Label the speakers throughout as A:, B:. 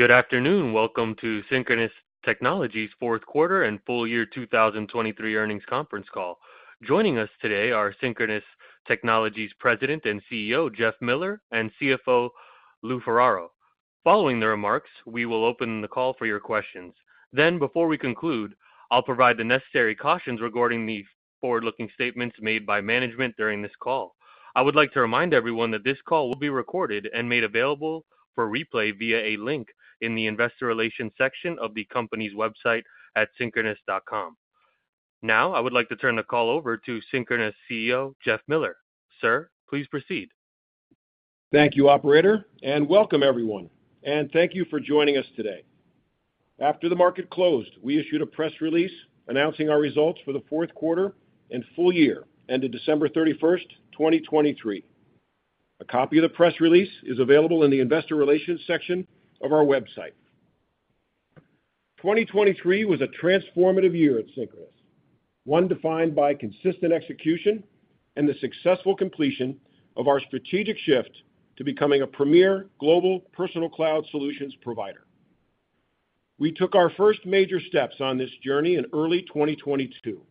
A: Good afternoon, welcome to Synchronoss Technologies' fourth quarter and full year 2023 earnings conference call. Joining us today are Synchronoss Technologies' President and CEO Jeff Miller and CFO Lou Ferraro. Following the remarks, we will open the call for your questions. Then, before we conclude, I'll provide the necessary cautions regarding the forward-looking statements made by management during this call. I would like to remind everyone that this call will be recorded and made available for replay via a link in the investor relations section of the company's website at synchronoss.com. Now I would like to turn the call over to Synchronoss' CEO Jeff Miller. Sir, please proceed.
B: Thank you, operator, and welcome everyone, and thank you for joining us today. After the market closed, we issued a press release announcing our results for the fourth quarter and full year ended December 31st, 2023. A copy of the press release is available in the investor relations section of our website. 2023 was a transformative year at Synchronoss, one defined by consistent execution and the successful completion of our strategic shift to becoming a premier global personal cloud solutions provider. We took our first major steps on this journey in early 2022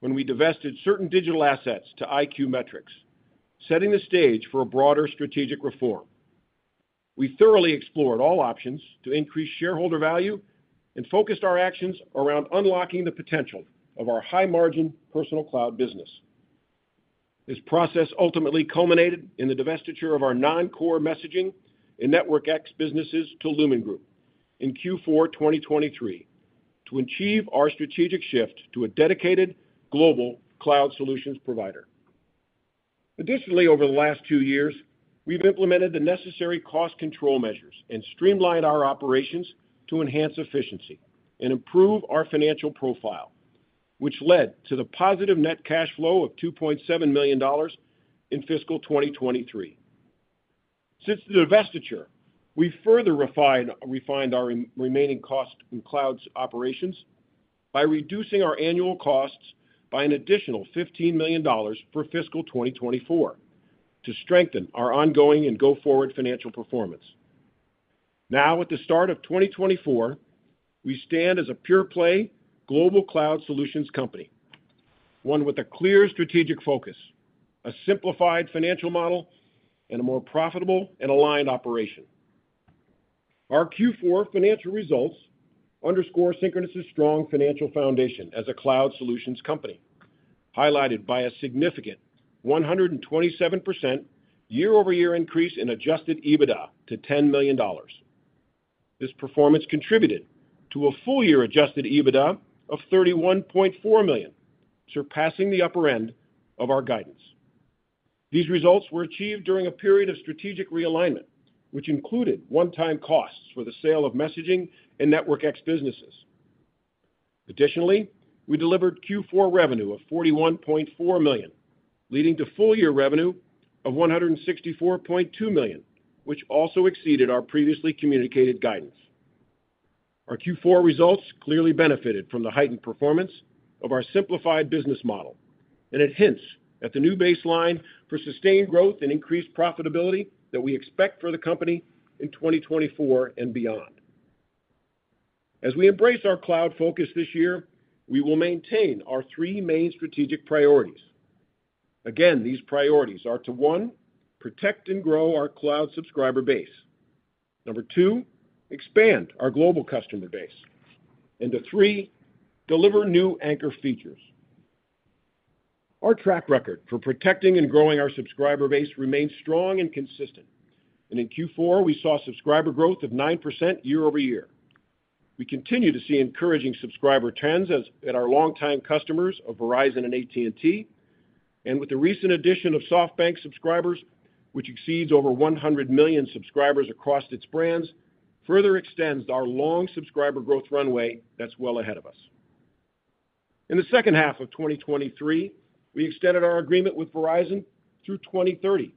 B: when we divested certain digital assets to iQmetrix, setting the stage for a broader strategic reform. We thoroughly explored all options to increase shareholder value and focused our actions around unlocking the potential of our high-margin personal cloud business. This process ultimately culminated in the divestiture of our non-core messaging and NetworkX businesses to Lumine Group in Q4 2023 to achieve our strategic shift to a dedicated global cloud solutions provider. Additionally, over the last two years, we've implemented the necessary cost control measures and streamlined our operations to enhance efficiency and improve our financial profile, which led to the positive net cash flow of $2.7 million in fiscal 2023. Since the divestiture, we've further refined our remaining cost in cloud operations by reducing our annual costs by an additional $15 million for fiscal 2024 to strengthen our ongoing and go-forward financial performance. Now, at the start of 2024, we stand as a pure-play global cloud solutions company, one with a clear strategic focus, a simplified financial model, and a more profitable and aligned operation. Our Q4 financial results underscore Synchronoss's strong financial foundation as a cloud solutions company, highlighted by a significant 127% year-over-year increase in adjusted EBITDA to $10 million. This performance contributed to a full-year adjusted EBITDA of $31.4 million, surpassing the upper end of our guidance. These results were achieved during a period of strategic realignment, which included one-time costs for the sale of messaging and NetworkX businesses. Additionally, we delivered Q4 revenue of $41.4 million, leading to full-year revenue of $164.2 million, which also exceeded our previously communicated guidance. Our Q4 results clearly benefited from the heightened performance of our simplified business model, and it hints at the new baseline for sustained growth and increased profitability that we expect for the company in 2024 and beyond. As we embrace our cloud focus this year, we will maintain our three main strategic priorities. Again, these priorities are to 1, protect and grow our cloud subscriber base. 2, expand our global customer base. And 3, deliver new anchor features. Our track record for protecting and growing our subscriber base remains strong and consistent, and in Q4 we saw subscriber growth of 9% year-over-year. We continue to see encouraging subscriber trends at our long-time customers of Verizon and AT&T, and with the recent addition of SoftBank subscribers, which exceeds over 100 million subscribers across its brands, further extends our long subscriber growth runway that's well ahead of us. In the second half of 2023, we extended our agreement with Verizon through 2030.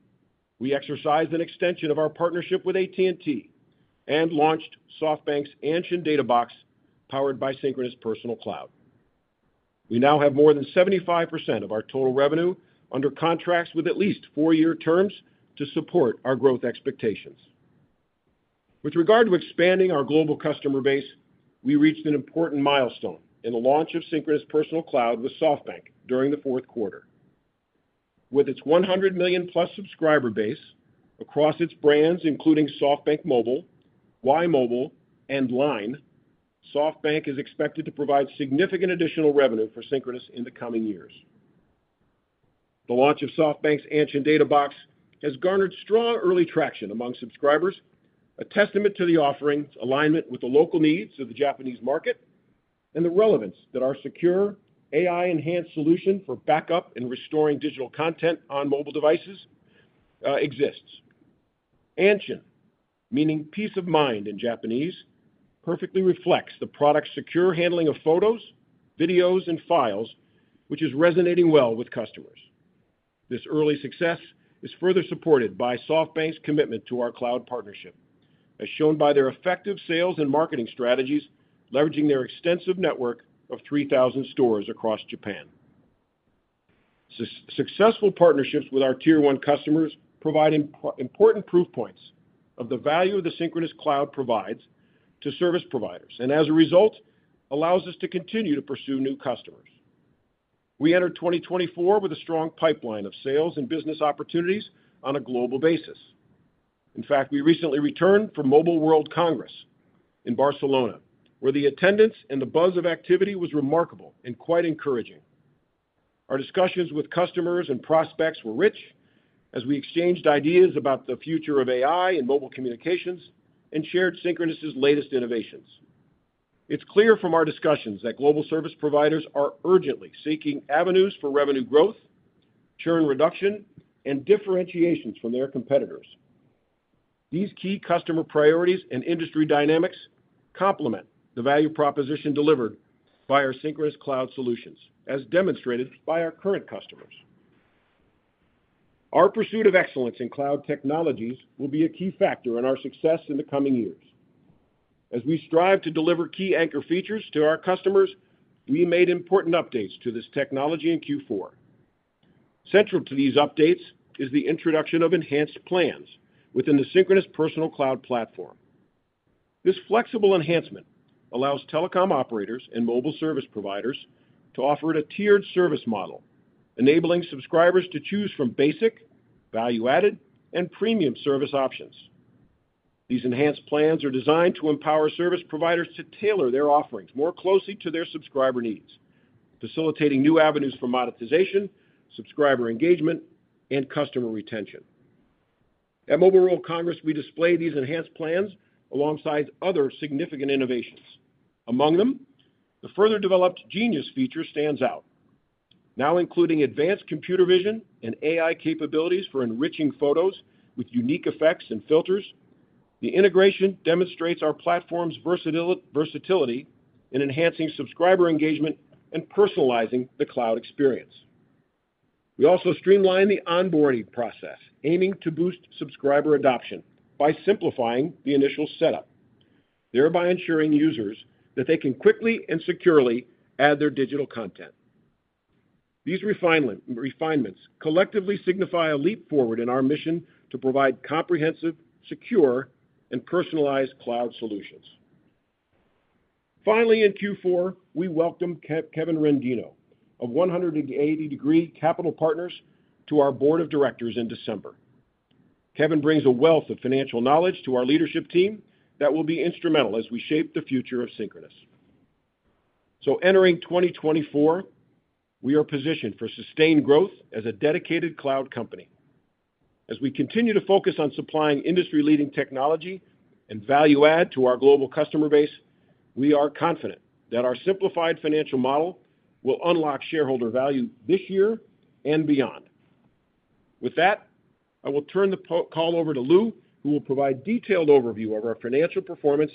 B: We exercised an extension of our partnership with AT&T and launched SoftBank's Anshin Data Box powered by Synchronoss Personal Cloud. We now have more than 75% of our total revenue under contracts with at least four-year terms to support our growth expectations. With regard to expanding our global customer base, we reached an important milestone in the launch of Synchronoss Personal Cloud with SoftBank during the fourth quarter. With its 100 million-plus subscriber base across its brands, including SoftBank Mobile, Y!mobile, and LINE, SoftBank is expected to provide significant additional revenue for Synchronoss in the coming years. The launch of SoftBank's Anshin Data Box has garnered strong early traction among subscribers, a testament to the offering's alignment with the local needs of the Japanese market and the relevance that our secure AI-enhanced solution for backup and restoring digital content on mobile devices exists. Anshin, meaning peace of mind in Japanese, perfectly reflects the product's secure handling of photos, videos, and files, which is resonating well with customers. This early success is further supported by SoftBank's commitment to our cloud partnership, as shown by their effective sales and marketing strategies leveraging their extensive network of 3,000 stores across Japan. Successful partnerships with our tier-one customers provide important proof points of the value the Synchronoss Cloud provides to service providers and, as a result, allows us to continue to pursue new customers. We entered 2024 with a strong pipeline of sales and business opportunities on a global basis. In fact, we recently returned from Mobile World Congress in Barcelona, where the attendance and the buzz of activity was remarkable and quite encouraging. Our discussions with customers and prospects were rich as we exchanged ideas about the future of AI and mobile communications and shared Synchronoss's latest innovations. It's clear from our discussions that global service providers are urgently seeking avenues for revenue growth, churn reduction, and differentiations from their competitors. These key customer priorities and industry dynamics complement the value proposition delivered by our Synchronoss Cloud solutions, as demonstrated by our current customers. Our pursuit of excellence in cloud technologies will be a key factor in our success in the coming years. As we strive to deliver key anchor features to our customers, we made important updates to this technology in Q4. Central to these updates is the introduction of enhanced plans within the Synchronoss Personal Cloud platform. This flexible enhancement allows telecom operators and mobile service providers to offer a tiered service model, enabling subscribers to choose from basic, value-added, and premium service options. These enhanced plans are designed to empower service providers to tailor their offerings more closely to their subscriber needs, facilitating new avenues for monetization, subscriber engagement, and customer retention. At Mobile World Congress, we displayed these enhanced plans alongside other significant innovations. Among them, the further-developed Genius feature stands out, now including advanced computer vision and AI capabilities for enriching photos with unique effects and filters. The integration demonstrates our platform's versatility in enhancing subscriber engagement and personalizing the cloud experience. We also streamlined the onboarding process, aiming to boost subscriber adoption by simplifying the initial setup, thereby ensuring users that they can quickly and securely add their digital content. These refinements collectively signify a leap forward in our mission to provide comprehensive, secure, and personalized cloud solutions. Finally, in Q4, we welcomed Kevin Rendino of 180 Degree Capital Corp. to our board of directors in December. Kevin brings a wealth of financial knowledge to our leadership team that will be instrumental as we shape the future of Synchronoss. So entering 2024, we are positioned for sustained growth as a dedicated cloud company. As we continue to focus on supplying industry-leading technology and value-add to our global customer base, we are confident that our simplified financial model will unlock shareholder value this year and beyond. With that, I will turn the call over to Lou, who will provide a detailed overview of our financial performance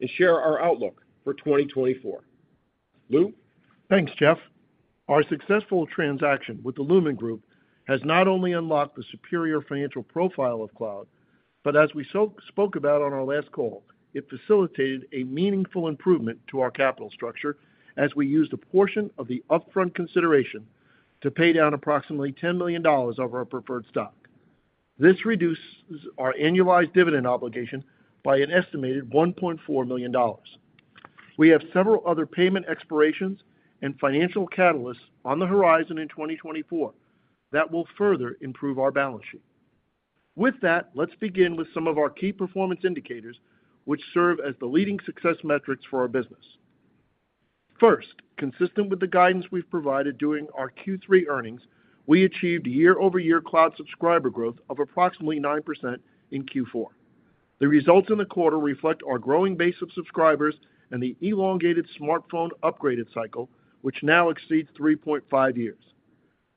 B: and share our outlook for 2024. Lou?
C: Thanks, Jeff. Our successful transaction with the Lumine Group has not only unlocked the superior financial profile of cloud, but as we spoke about on our last call, it facilitated a meaningful improvement to our capital structure as we used a portion of the upfront consideration to pay down approximately $10 million of our preferred stock. This reduces our annualized dividend obligation by an estimated $1.4 million. We have several other payment expirations and financial catalysts on the horizon in 2024 that will further improve our balance sheet. With that, let's begin with some of our key performance indicators, which serve as the leading success metrics for our business. First, consistent with the guidance we've provided during our Q3 earnings, we achieved year-over-year cloud subscriber growth of approximately 9% in Q4. The results in the quarter reflect our growing base of subscribers and the elongated smartphone upgrade cycle, which now exceeds 3.5 years.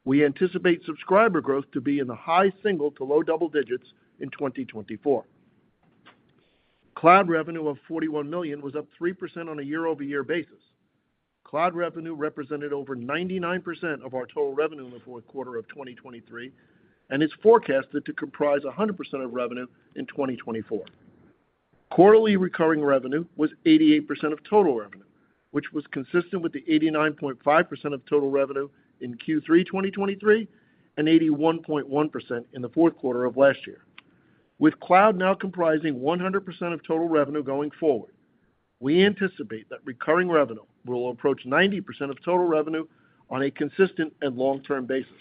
C: We anticipate subscriber growth to be in the high single to low double digits in 2024. Cloud revenue of $41 million was up 3% on a year-over-year basis. Cloud revenue represented over 99% of our total revenue in the fourth quarter of 2023 and is forecasted to comprise 100% of revenue in 2024. Quarterly recurring revenue was 88% of total revenue, which was consistent with the 89.5% of total revenue in Q3 2023 and 81.1% in the fourth quarter of last year. With cloud now comprising 100% of total revenue going forward, we anticipate that recurring revenue will approach 90% of total revenue on a consistent and long-term basis.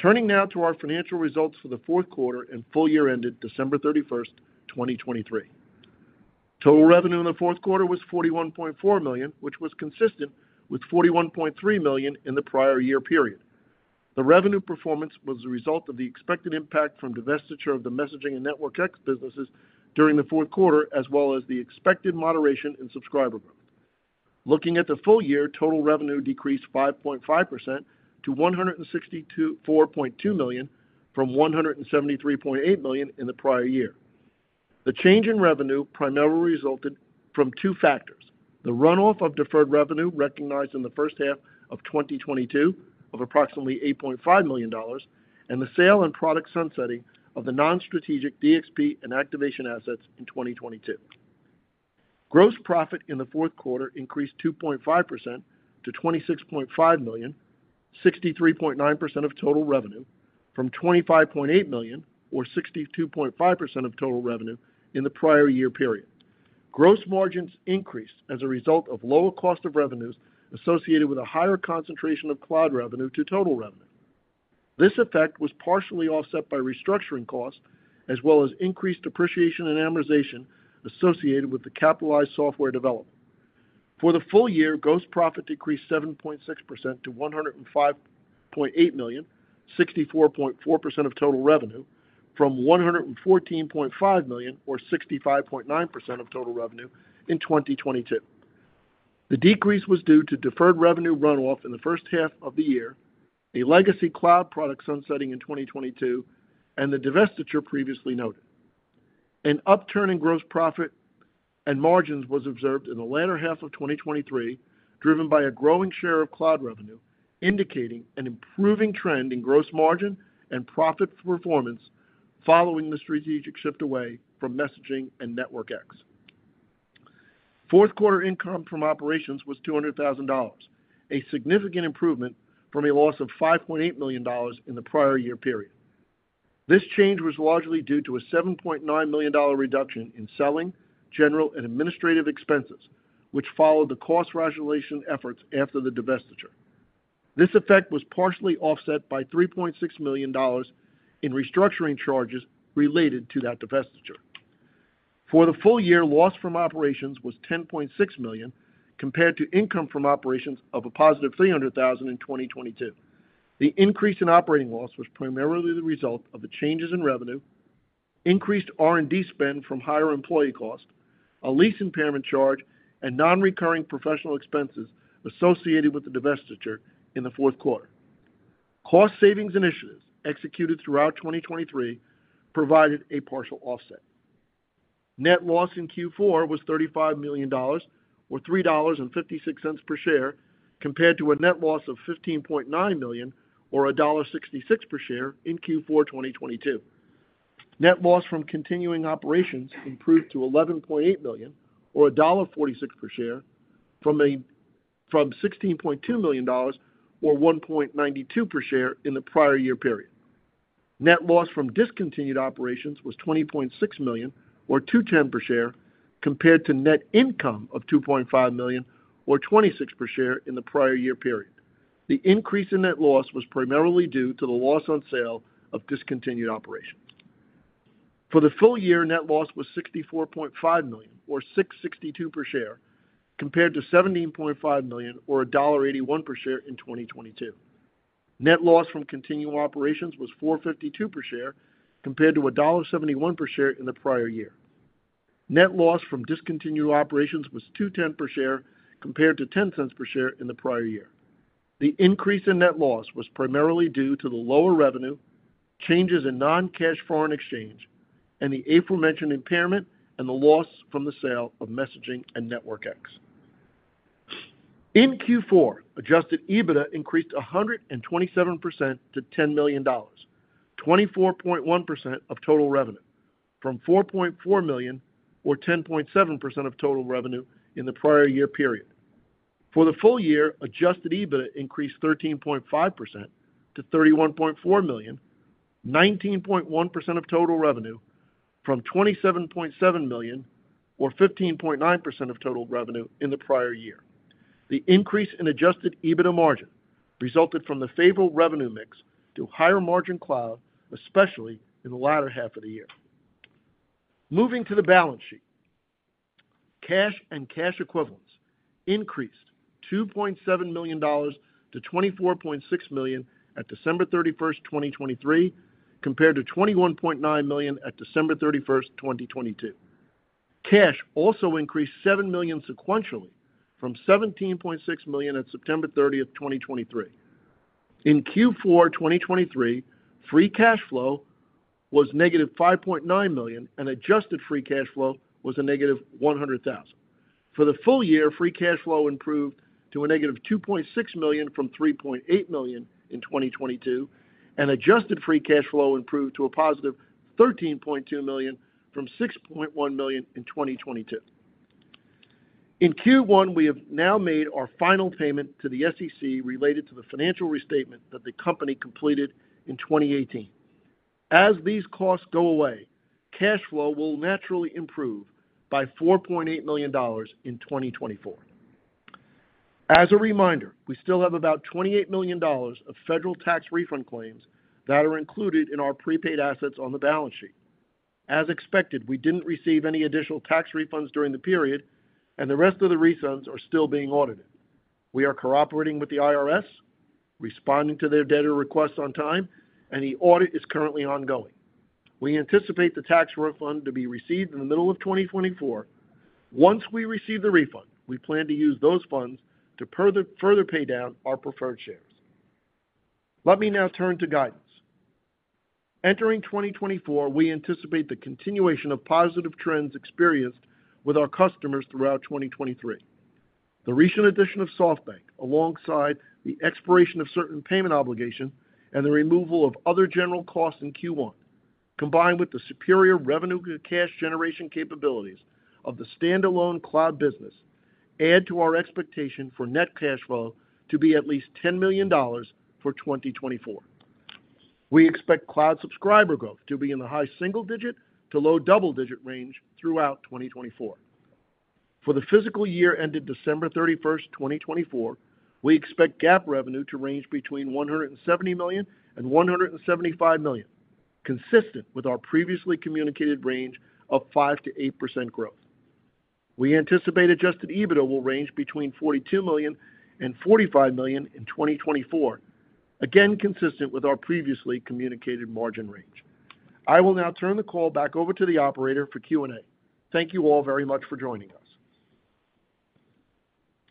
C: Turning now to our financial results for the fourth quarter and full-year ended December 31st, 2023. Total revenue in the fourth quarter was $41.4 million, which was consistent with $41.3 million in the prior year period. The revenue performance was the result of the expected impact from divestiture of the messaging and NetworkX businesses during the fourth quarter, as well as the expected moderation in subscriber growth. Looking at the full year, total revenue decreased 5.5% to $164.2 million from $173.8 million in the prior year. The change in revenue primarily resulted from two factors: the runoff of deferred revenue recognized in the first half of 2022 of approximately $8.5 million and the sale and product sunsetting of the non-strategic DXP and activation assets in 2022. Gross profit in the fourth quarter increased 2.5% to $26.5 million, 63.9% of total revenue from $25.8 million or 62.5% of total revenue in the prior year period. Gross margins increased as a result of lower cost of revenues associated with a higher concentration of cloud revenue to total revenue. This effect was partially offset by restructuring costs as well as increased depreciation and amortization associated with the capitalized software development. For the full year, gross profit decreased 7.6% to $105.8 million, 64.4% of total revenue from $114.5 million or 65.9% of total revenue in 2022. The decrease was due to deferred revenue runoff in the first half of the year, a legacy cloud product sunsetting in 2022, and the divestiture previously noted. An upturn in gross profit and margins was observed in the latter half of 2023, driven by a growing share of cloud revenue, indicating an improving trend in gross margin and profit performance following the strategic shift away from messaging and NetworkX. Fourth quarter income from operations was $200,000, a significant improvement from a loss of $5.8 million in the prior year period. This change was largely due to a $7.9 million reduction in selling, general, and administrative expenses, which followed the cost restoration efforts after the divestiture. This effect was partially offset by $3.6 million in restructuring charges related to that divestiture. For the full year, loss from operations was $10.6 million compared to income from operations of a positive $300,000 in 2022. The increase in operating loss was primarily the result of the changes in revenue, increased R&D spend from higher employee cost, a lease impairment charge, and non-recurring professional expenses associated with the divestiture in the fourth quarter. Cost savings initiatives executed throughout 2023 provided a partial offset. Net loss in Q4 was $35 million or $3.56 per share compared to a net loss of $15.9 million or $1.66 per share in Q4 2022. Net loss from continuing operations improved to $11.8 million or $1.46 per share from $16.2 million or $1.92 per share in the prior year period. Net loss from discontinued operations was $20.6 million or $210 per share compared to net income of $2.5 million or $26 per share in the prior year period. The increase in net loss was primarily due to the loss on sale of discontinued operations. For the full year, net loss was $64.5 million or $662 per share compared to $17.5 million or $1.81 per share in 2022. Net loss from continuing operations was $452 per share compared to $1.71 per share in the prior year. Net loss from discontinued operations was $210 per share compared to $0.10 per share in the prior year. The increase in net loss was primarily due to the lower revenue, changes in non-cash foreign exchange, and the aforementioned impairment and the loss from the sale of messaging and NetworkX. In Q4, Adjusted EBITDA increased 127% to $10 million, 24.1% of total revenue, from $4.4 million or 10.7% of total revenue in the prior year period. For the full year, Adjusted EBITDA increased 13.5% to $31.4 million, 19.1% of total revenue, from $27.7 million or 15.9% of total revenue in the prior year. The increase in Adjusted EBITDA margin resulted from the favorable revenue mix to higher margin cloud, especially in the latter half of the year. Moving to the balance sheet, cash and cash equivalents increased $2.7 million to $24.6 million at December 31st, 2023, compared to $21.9 million at December 31st, 2022. Cash also increased $7 million sequentially from $17.6 million at September 30th, 2023. In Q4 2023, free cash flow was -$5.9 million and adjusted free cash flow was -$100,000. For the full year, free cash flow improved to -$2.6 million from $3.8 million in 2022, and adjusted free cash flow improved to +$13.2 million from $6.1 million in 2022. In Q1, we have now made our final payment to the SEC related to the financial restatement that the company completed in 2018. As these costs go away, cash flow will naturally improve by $4.8 million in 2024. As a reminder, we still have about $28 million of federal tax refund claims that are included in our prepaid assets on the balance sheet. As expected, we didn't receive any additional tax refunds during the period, and the rest of the refunds are still being audited. We are cooperating with the IRS, responding to their debtor requests on time, and the audit is currently ongoing. We anticipate the tax refund to be received in the middle of 2024. Once we receive the refund, we plan to use those funds to further pay down our preferred shares. Let me now turn to guidance. Entering 2024, we anticipate the continuation of positive trends experienced with our customers throughout 2023. The recent addition of SoftBank, alongside the expiration of certain payment obligations and the removal of other general costs in Q1, combined with the superior revenue-to-cash generation capabilities of the standalone cloud business, add to our expectation for net cash flow to be at least $10 million for 2024. We expect cloud subscriber growth to be in the high single digit to low double digit range throughout 2024. For the fiscal year ended December 31st, 2024, we expect GAAP revenue to range between $170 million and $175 million, consistent with our previously communicated range of 5%-8% growth. We anticipate Adjusted EBITDA will range between $42 million and $45 million in 2024, again consistent with our previously communicated margin range. I will now turn the call back over to the operator for Q&A. Thank you all very much for joining us.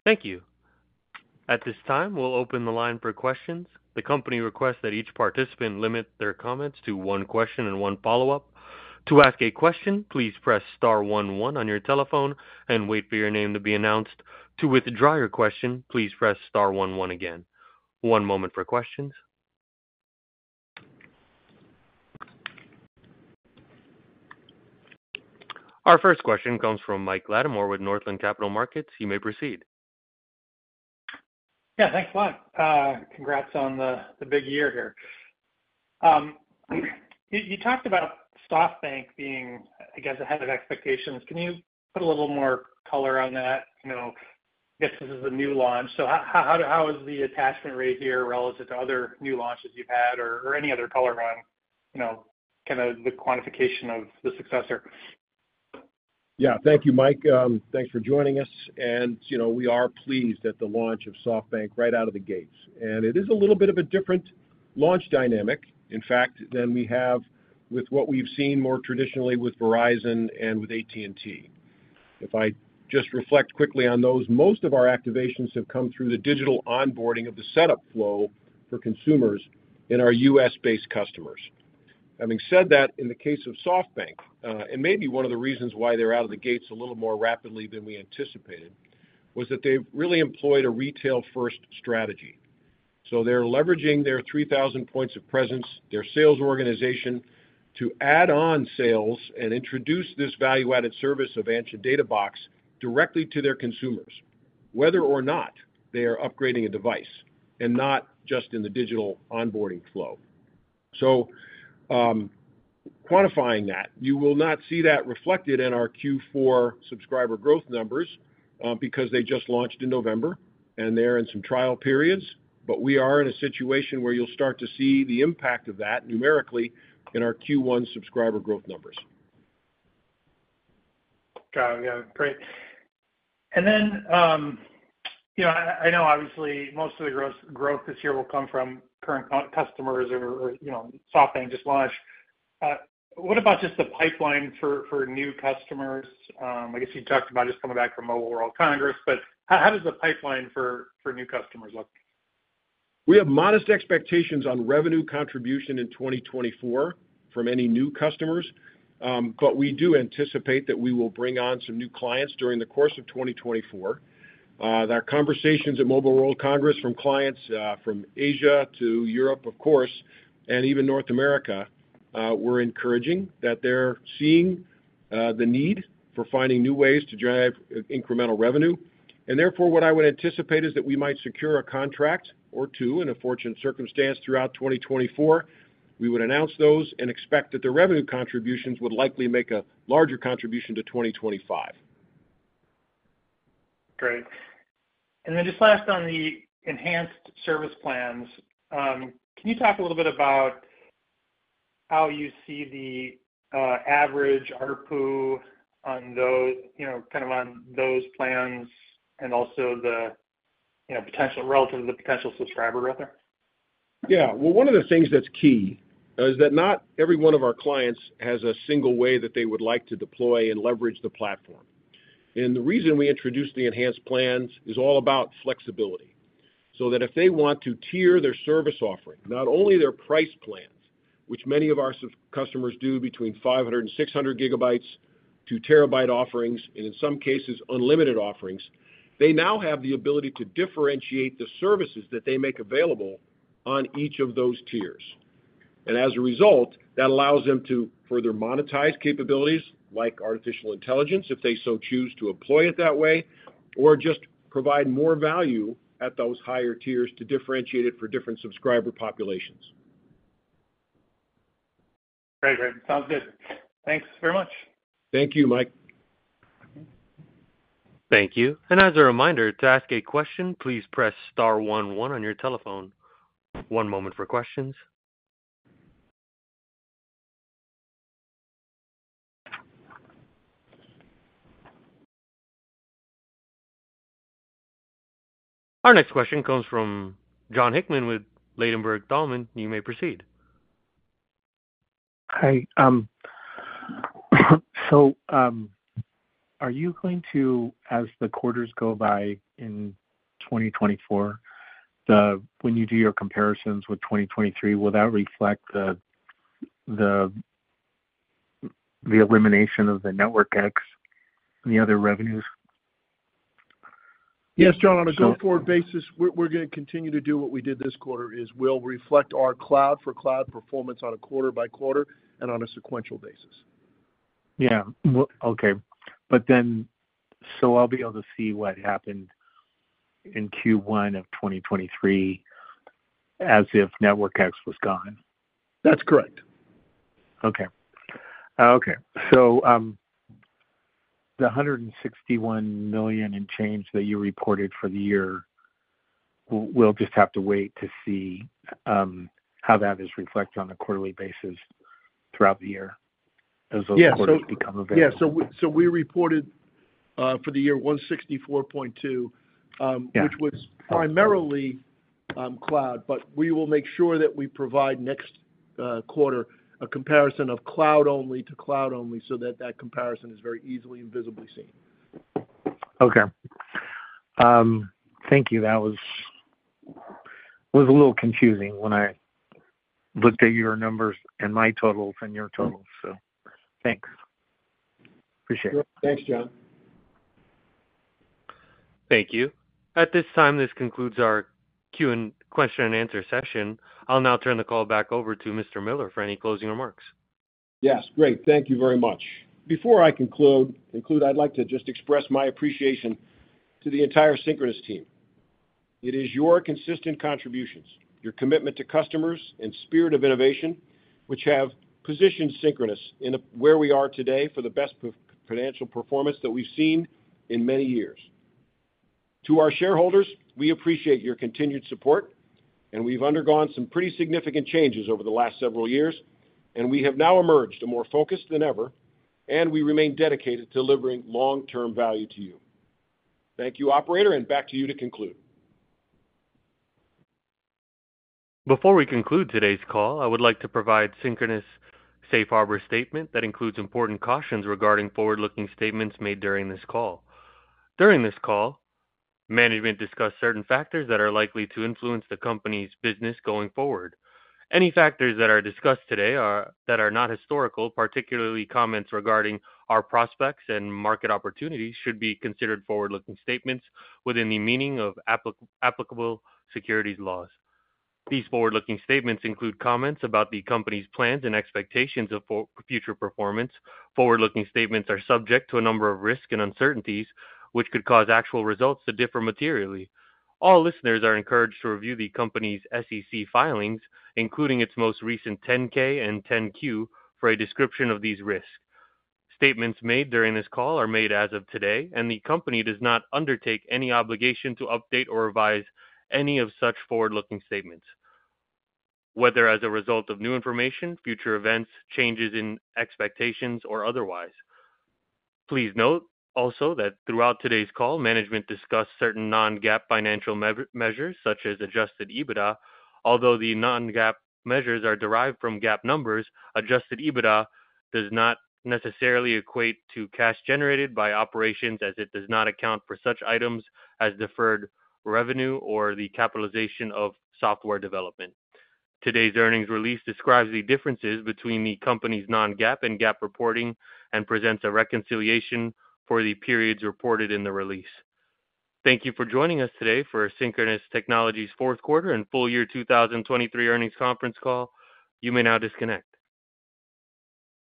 A: Thank you. At this time, we'll open the line for questions. The company requests that each participant limit their comments to one question and one follow-up. To ask a question, please press star 11 on your telephone and wait for your name to be announced. To withdraw your question, please press star 11 again. One moment for questions. Our first question comes from Mike Latimore with Northland Capital Markets. You may proceed.
D: Yeah, thanks a lot. Congrats on the big year here. You talked about SoftBank being, I guess, ahead of expectations. Can you put a little more color on that? I guess this is a new launch. So how is the attachment rate here relative to other new launches you've had or any other color on kind of the quantification of the successor?
B: Yeah, thank you, Mike. Thanks for joining us. We are pleased at the launch of SoftBank right out of the gates. It is a little bit of a different launch dynamic, in fact, than we have with what we've seen more traditionally with Verizon and with AT&T. If I just reflect quickly on those, most of our activations have come through the digital onboarding of the setup flow for consumers in our U.S.-based customers. Having said that, in the case of SoftBank, and maybe one of the reasons why they're out of the gates a little more rapidly than we anticipated, was that they've really employed a retail-first strategy. So they're leveraging their 3,000 points of presence, their sales organization, to add on sales and introduce this value-added service of Anshin Data Box directly to their consumers, whether or not they are upgrading a device and not just in the digital onboarding flow. So quantifying that, you will not see that reflected in our Q4 subscriber growth numbers because they just launched in November, and they're in some trial periods. But we are in a situation where you'll start to see the impact of that numerically in our Q1 subscriber growth numbers.
D: Got it. Yeah, great. And then I know, obviously, most of the growth this year will come from current customers, or SoftBank just launched. What about just the pipeline for new customers? I guess you talked about just coming back from Mobile World Congress, but how does the pipeline for new customers look?
B: We have modest expectations on revenue contribution in 2024 from any new customers, but we do anticipate that we will bring on some new clients during the course of 2024. Our conversations at Mobile World Congress from clients from Asia to Europe, of course, and even North America, were encouraging that they're seeing the need for finding new ways to drive incremental revenue. And therefore, what I would anticipate is that we might secure a contract or two in a fortunate circumstance throughout 2024. We would announce those and expect that their revenue contributions would likely make a larger contribution to 2025.
D: Great. And then just last on the enhanced service plans, can you talk a little bit about how you see the average ARPU on kind of those plans and also relative to the potential subscriber, rather?
B: Yeah. Well, one of the things that's key is that not every one of our clients has a single way that they would like to deploy and leverage the platform. The reason we introduced the enhanced plans is all about flexibility. So that if they want to tier their service offering, not only their price plans, which many of our customers do between 500 and 600 GB to TB offerings, and in some cases, unlimited offerings, they now have the ability to differentiate the services that they make available on each of those tiers. As a result, that allows them to further monetize capabilities like artificial intelligence if they so choose to employ it that way, or just provide more value at those higher tiers to differentiate it for different subscriber populations.
D: Great, great. Sounds good. Thanks very much.
B: Thank you, Mike.
A: Thank you. As a reminder, to ask a question, please press star 11 on your telephone. One moment for questions. Our next question comes from Jon Hickman with Ladenburg Thalmann. You may proceed.
E: Hi. So are you going to, as the quarters go by in 2024, when you do your comparisons with 2023, will that reflect the elimination of the NetworkX and the other revenues?
B: Yes, John, on a go-forward basis, we're going to continue to do what we did this quarter is we'll reflect our cloud-for-cloud performance on a quarter-by-quarter and on a sequential basis.
E: Yeah. Okay. But then so I'll be able to see what happened in Q1 of 2023 as if NetworkX was gone?
B: That's correct.
E: Okay. Okay. So the $161 million and change that you reported for the year, we'll just have to wait to see how that is reflected on a quarterly basis throughout the year as those quarters become available.
B: Yeah. So we reported for the year $164.2, which was primarily cloud, but we will make sure that we provide next quarter a comparison of cloud-only to cloud-only so that that comparison is very easily and visibly seen.
E: Okay. Thank you. That was a little confusing when I looked at your numbers and my totals and your totals, so thanks. Appreciate it.
B: Thanks, John.
A: Thank you. At this time, this concludes our question-and-answer session. I'll now turn the call back over to Mr. Miller for any closing remarks.
B: Yes. Great. Thank you very much. Before I conclude, I'd like to just express my appreciation to the entire Synchronoss team. It is your consistent contributions, your commitment to customers, and spirit of innovation which have positioned Synchronoss in where we are today for the best financial performance that we've seen in many years. To our shareholders, we appreciate your continued support, and we've undergone some pretty significant changes over the last several years, and we have now emerged more focused than ever, and we remain dedicated to delivering long-term value to you. Thank you, operator, and back to you to conclude.
A: Before we conclude today's call, I would like to provide Synchronoss's safe harbor statement that includes important cautions regarding forward-looking statements made during this call. During this call, management discussed certain factors that are likely to influence the company's business going forward. Any factors that are discussed today that are not historical, particularly comments regarding our prospects and market opportunities, should be considered forward-looking statements within the meaning of applicable securities laws. These forward-looking statements include comments about the company's plans and expectations of future performance. Forward-looking statements are subject to a number of risks and uncertainties, which could cause actual results to differ materially. All listeners are encouraged to review the company's SEC filings, including its most recent 10-K and 10-Q, for a description of these risks. Statements made during this call are made as of today, and the company does not undertake any obligation to update or revise any of such forward-looking statements, whether as a result of new information, future events, changes in expectations, or otherwise. Please note also that throughout today's call, management discussed certain Non-GAAP financial measures such as Adjusted EBITDA. Although the Non-GAAP measures are derived from GAAP numbers, Adjusted EBITDA does not necessarily equate to cash generated by operations as it does not account for such items as deferred revenue or the capitalization of software development. Today's earnings release describes the differences between the company's Non-GAAP and GAAP reporting and presents a reconciliation for the periods reported in the release. Thank you for joining us today for Synchronoss Technologies' fourth quarter and full year 2023 earnings conference call. You may now disconnect.